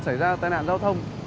xảy ra tai nạn giao thông